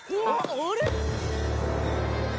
あれ！？